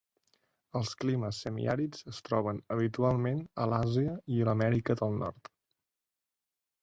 Els climes semiàrids es troben habitualment a l'Àsia i l'Amèrica del Nord.